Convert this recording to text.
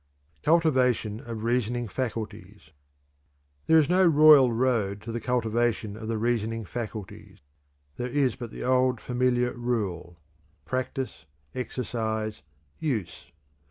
CULTIVATION OF REASONING FACULTIES. There is no royal road to the cultivation of the reasoning faculties. There is but the old familiar rule: Practice, exercise, use.